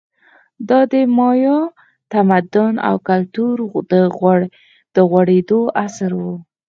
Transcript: دا د مایا تمدن او کلتور د غوړېدو عصر و